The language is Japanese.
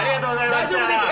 大丈夫ですか？